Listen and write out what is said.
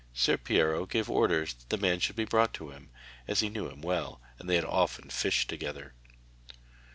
Ser Piero gave orders that the man should be brought to him, as he knew him well, and they had often fished together.